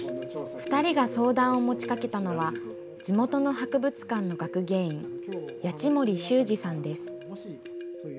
２人が相談を持ちかけたのは、地元の博物館の学芸員、谷地森秀二さんです。